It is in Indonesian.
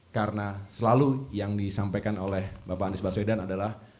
karena selalu yang disampaikan oleh bapak anies baswedan adalah